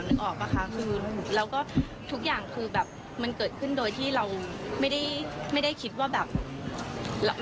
นึกออกป่ะคะคือแล้วก็ทุกอย่างคือแบบมันเกิดขึ้นโดยที่เราไม่ได้คิดว่าแบบ